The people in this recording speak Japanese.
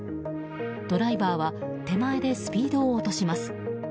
ドライバーは手前でスピードを落とします。